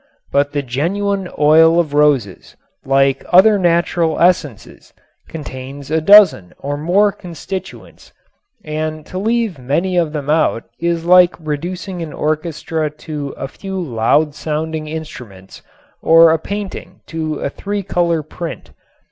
But the genuine oil of roses, like other natural essences, contains a dozen or more constituents and to leave many of them out is like reducing an orchestra to a few loud sounding instruments or a painting to a three color print.